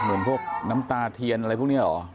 เหมือนพวกน้ำตาเทียนอะไรพวกนี้เหรอ